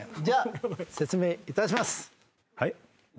じゃあ説明いたします。